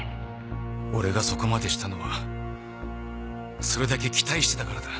俺がそこまでしたのはそれだけ期待してたからだ。